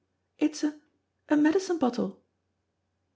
"It is a a medicine bottle."